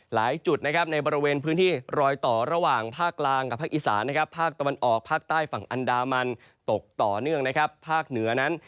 หลายจุดนะครับในบริเวณพื้นที่รอยต่อระหว่างภาคกลางกับภาคอีสานนะครับภาคตะวันออกภาคใต้ฝั่งอันดามันตกต่อเนื่องนะครับภาคเหนือนั้น